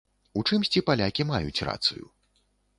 У чымсьці палякі маюць рацыю.